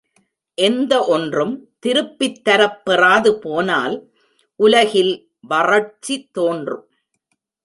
எந்த ஒன்றும் திருப்பித் தரப் பெறாது போனால் உலகில் வறட்சி தோன்றும்.